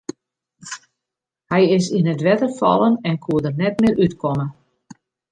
Hy is yn it wetter fallen en koe der net mear út komme.